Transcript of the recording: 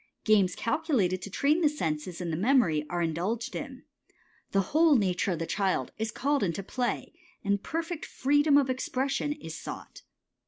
Games calculated to train the senses and the memory are indulged in. The whole nature of the child is called into play, and perfect freedom of expression is sought.